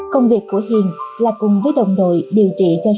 công việc của hiền là cùng với đồng đội điều trị cho